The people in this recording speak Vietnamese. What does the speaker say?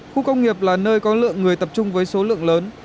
khu công nghiệp là nơi có lượng người tập trung với số lượng lớn